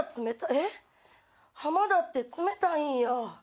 浜田って冷たいんや。